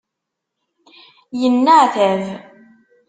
Yenneɛtab.